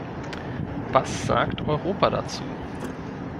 Was sagt Europa dazu?